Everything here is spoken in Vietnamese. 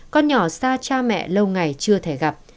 con nhỏ xa cha mẹ lâu ngày chưa thể gặp